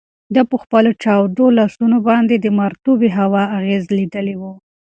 ده په خپلو چاودو لاسونو باندې د مرطوبې هوا اغیز لیدلی و.